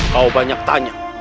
kau banyak tanya